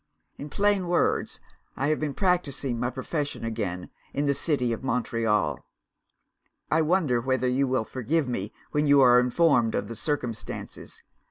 In plain words, I have been practising my profession again, in the city of Montreal! "I wonder whether you will forgive me, when you are informed of the circumstances?